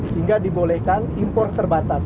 sehingga dibolehkan impornya